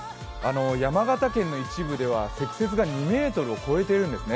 山形県の一部では積雪が２ｍを超えているんですね。